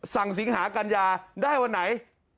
สั่งสิงหากันยาได้วันไหน